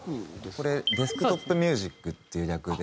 これ「デスクトップミュージック」っていう略で。